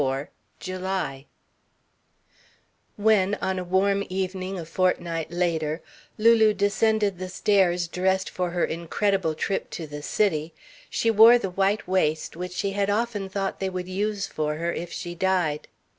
IV JULY When, on a warm evening a fortnight later, Lulu descended the stairs dressed for her incredible trip to the city, she wore the white waist which she had often thought they would "use" for her if she died.